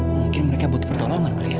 mungkin mereka butuh pertolongan kali ya